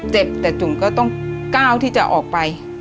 เจ็บแต่จุ๋มก็ต้องก้าวที่จะออกไป